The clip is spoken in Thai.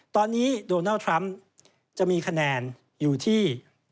ตอนนี้โดนัลด์ทรัมป์จะมีคะแนนอยู่ที่